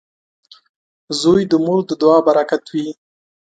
• زوی د مور د دعا برکت وي.